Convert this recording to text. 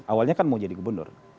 awalnya kan mau jadi gubernur